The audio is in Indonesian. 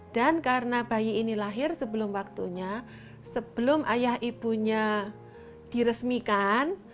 dan karena bayi ini lahir sebelum waktunya sebelum ayah ibunya diresmikan